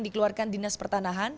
dikeluarkan dinas pertanahan